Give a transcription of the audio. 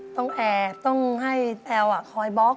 ต้องแอบต้องให้แอลคอยบล็อก